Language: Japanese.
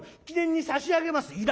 「記念に差し上げます」。